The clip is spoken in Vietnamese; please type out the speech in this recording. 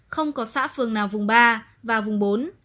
không có xã phường nào vùng ba và vùng bốn